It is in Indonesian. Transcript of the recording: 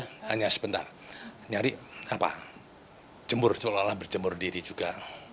hanya sebentar nyari jemur sholat berjemur diri juga